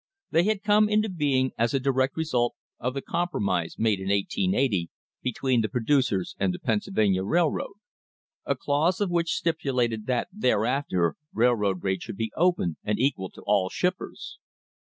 They had come into being as a direct result of the compromise THE HISTORY OF THE STANDARD OIL COMPANY made in 1880 between the producers and the Pennsylvania Railroad, a clause of which stipulated that thereafter rail road rates should be open and equal to all shippers.